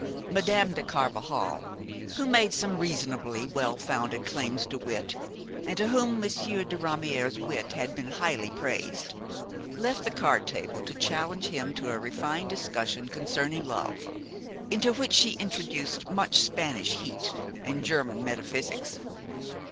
Madame de Carvajal, who made some reasonably well founded claims to wit, and to whom Monsieur de Ramière's wit had been highly praised, left the card table to challenge him to a refined discussion concerning love, into which she introduced much Spanish heat and German metaphysics.